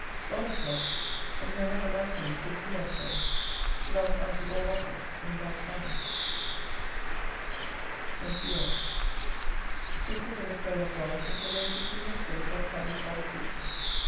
God is Love, and you are never like Him till you are so : Love unto all objects in like manner. 291 71 To sit in the Throne of God is the most supreme estate that can befall a creature.